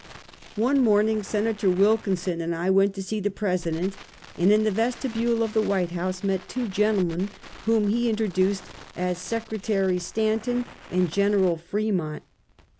One morning Senator Wilkinson and I went to see the President, and in the vestibule of the White House met two gentlemen whom he introduced as Sec. Stan ton and Gen. Fremont.